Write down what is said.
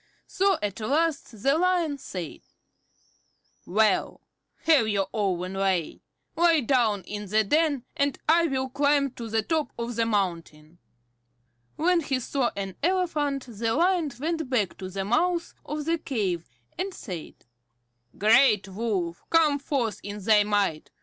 So at last the Lion said: "Well, have your own way. Lie down in the den, and I will climb to the top of the mountain." When he saw an elephant the Lion went back to the mouth of the cave, and said: "Great Wolf, come forth in thy might.